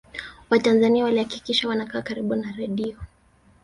watanzania walihakikisha wanakaa karibu na redio